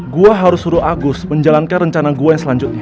gue harus suruh agus menjalankan rencana gue yang selanjutnya